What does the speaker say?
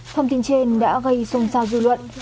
thông tin trên đã gây sùng sao dư luận